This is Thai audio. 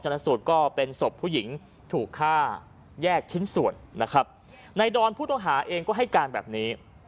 สูตรก็เป็นศพผู้หญิงถูกฆ่าแยกชิ้นส่วนนะครับในดอนผู้ต้องหาเองก็ให้การแบบนี้